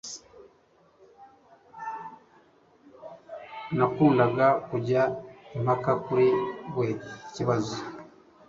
Nakundaga kujya impaka kuri we ikibazo.